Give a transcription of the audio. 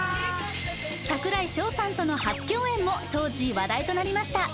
櫻井翔さんとの初共演も当時話題となりました